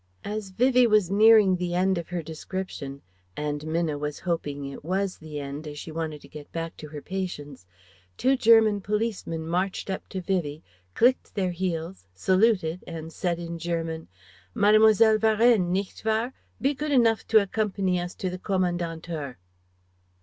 As Vivie was nearing the end of her description and Minna was hoping it was the end, as she wanted to get back to her patients two German policemen marched up to Vivie, clicked their heels, saluted, and said in German, "Mademoiselle Varennes, nicht wahr? Be good enough to accompany us to the Kommandantur."